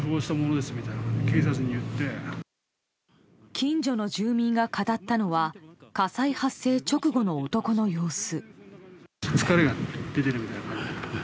近所の住民が語ったのは火災発生直後の男の様子。